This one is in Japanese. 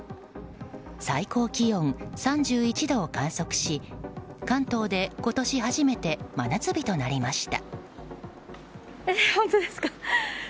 最高気温３１度を観測し関東で今年初めて真夏日となりました。